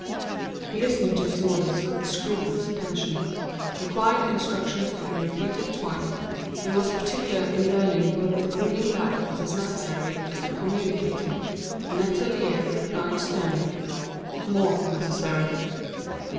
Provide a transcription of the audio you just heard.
He listened to his orders with scrupulous attention, required the instructions to be repeated twice, and was particular in learning whether the bringing back was as necessary as the communicating, and Letellier replied sternly, "More necessary."